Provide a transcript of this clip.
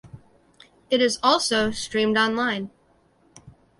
It is also streamed online.